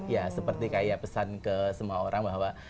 ya seperti kayak pesan ke semua orang bahwa